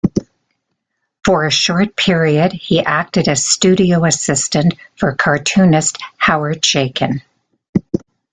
For a short period he acted as studio assistant for cartoonist Howard Chaykin.